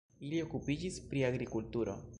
Ili okupiĝis pri agrikulturo.